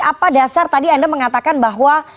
apa dasar tadi anda mengatakan bahwa